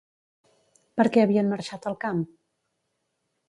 Per què havien marxat al camp?